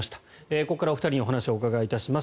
ここからお二人にお話をお伺いします。